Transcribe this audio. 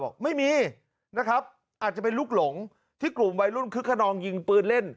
บอกไม่มีนะครับอาจจะเป็นลูกหลงที่กลุ่มวัยรุ่นคึกขนองยิงปืนเล่น